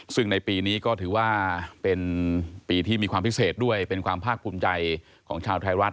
ซึ่งในปีนี้ก็ถือว่าเป็นปีที่มีความพิเศษด้วยเป็นความภาคภูมิใจของชาวไทยรัฐ